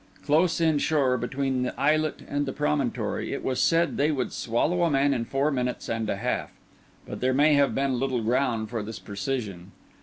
Close in shore, between the islet and the promontory, it was said they would swallow a man in four minutes and a half; but there may have been little ground for this precision.